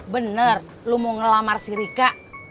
bener lu mau ngelamar si rika